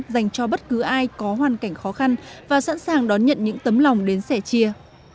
dành cho bất cứ ai có hoàn cảnh khó khăn và sẵn sàng đón nhận những tấm lòng đến sẻ chia